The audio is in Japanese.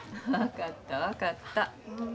分かった分かった。